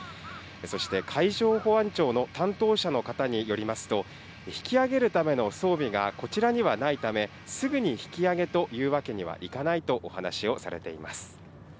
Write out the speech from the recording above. そして、海上保安庁の担当者の方によりますと、引き揚げるための装備がこちらにはないため、すぐに引き揚げというわけにはいかないとお話しをされています。